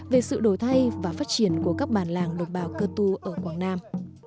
về sự đổi thay và phát triển của các bản làng đồng bào cơ tu ở quảng nam